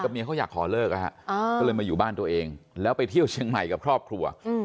เมียเขาอยากขอเลิกก็เลยมาอยู่บ้านตัวเองแล้วไปเที่ยวเชียงใหม่กับครอบครัว